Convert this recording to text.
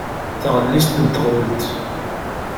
Taɣellist n teɣwelt.